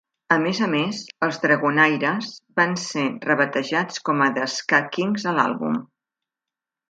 A més a més, els Dragonaires van ser rebatejats com a "The Ska Kings" a l'àlbum.